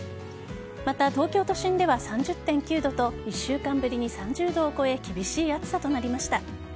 また、東京都心では３０．９度と１週間ぶりに３０度を超え厳しい暑さとなりました。